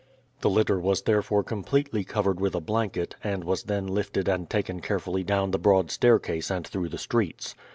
The litter was therefore completely covered with a blanket, and was then lifted and taken carefully down the broad staircase and through the streets.